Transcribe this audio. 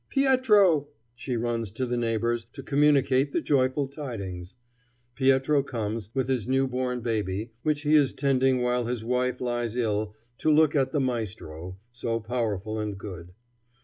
"Pietro!" She runs to the neighbors to communicate the joyful tidings. Pietro comes, with his new born baby, which he is tending while his wife lies ill, to look at the maestro, so powerful and good.